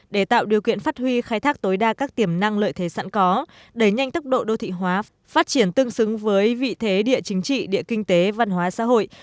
để tạo điều kiện phát huy khai thác tối đa các tiềm năng lợi thế sẵn có đẩy nhanh tốc độ đô thị hóa phát triển tương xứng với vị thế địa chính trị địa kinh tế văn hóa xã hội